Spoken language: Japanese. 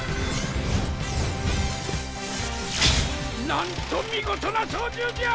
なんと見事な操縦じゃ。